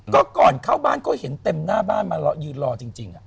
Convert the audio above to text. ก็ก่อนเข้าบ้านก็เห็นเต็มหน้าบ้านมายืนรอจริง